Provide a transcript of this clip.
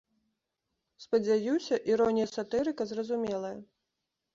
Спадзяюся, іронія сатырыка зразумелая.